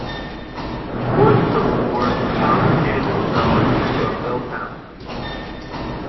Before the Civil War, the town began to develop into a mill town.